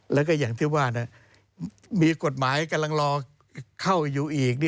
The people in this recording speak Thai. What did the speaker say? แล้วก็อย่างที่ว่ามีกฎหมายกำลังรอเข้าอยู่อีก